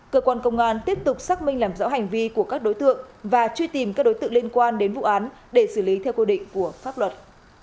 cơ quan công an tiếp tục xác minh làm rõ hành vi của các đối tượng và truy tìm các đối tượng liên quan đến vụ án để xử lý theo quy định của pháp luật